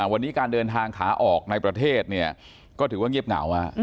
วันนี้การเดินทางขาออกในประเทศเนี่ยก็ถือว่าเงียบเหงา